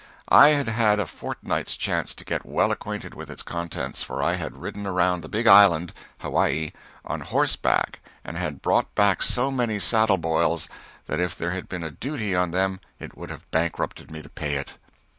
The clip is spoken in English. I had had a fortnight's chance to get well acquainted with its contents, for I had ridden around the big island (Hawaii) on horseback and had brought back so many saddle boils that if there had been a duty on them it would have bankrupted me to pay it.